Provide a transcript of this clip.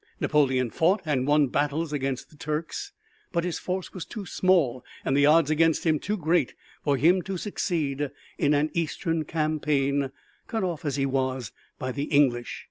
Napoleon fought and won battles against the Turks, but his force was too small and the odds against him were too great for him to succeed in an Eastern campaign, cut off as he was by the English.